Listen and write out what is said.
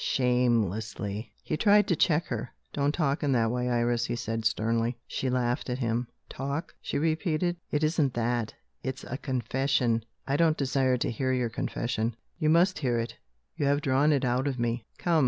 shamelessly!" He tried to check her. "Don't talk in that way, Iris," he said sternly. She laughed at him. "Talk?" she repeated. "It isn't that; it's a confession." "I don't desire to hear your confession." "You must hear it you have drawn it out of me. Come!